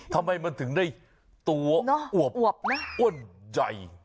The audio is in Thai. ทำไมมันถึงได้ตัวอ่วบอ้วนใจ